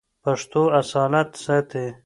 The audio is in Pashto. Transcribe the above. پښتو اصالت ساتي.